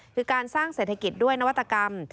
คือการสร้างเศรษฐกิจด้วยนวัตกรรม